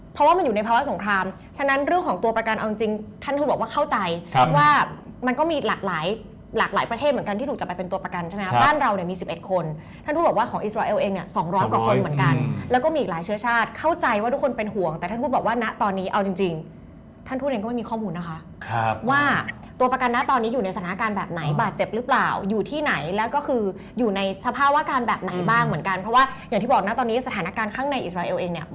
เพราะว่ามันอยู่ในภาวะสงครามฉะนั้นเรื่องของตัวประกันเอาจริงท่านทูบอกว่าเข้าใจว่ามันก็มีหลากหลายประเทศเหมือนกันที่ถูกจับไปเป็นตัวประกันใช่ไหมครับบ้านเรามี๑๑คนท่านทูบอกว่าของอิสราเอลเองเนี่ย๒๐๐กว่าคนเหมือนกันแล้วก็มีหลายเชื้อชาติเข้าใจว่าทุกคนเป็นห่วงแต่ท่านทูบอกว่าณะตอนนี้เอา